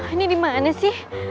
ini dimana sih